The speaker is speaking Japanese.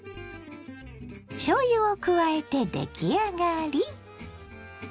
しょうゆを加えて出来上がり。